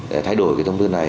để thay đổi thông tư này